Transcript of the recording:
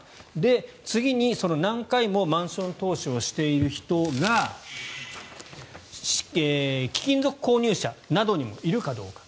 次に、その何回もマンション投資をしている人が貴金属購入者などにもいるかどうか。